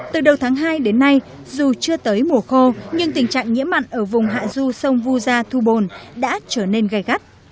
từ đầu tháng hai đến nay dù chưa tới mùa khô nhưng tình trạng nhiễm mặn ở vùng hạ du sông vu gia thu bồn đã trở nên gai gắt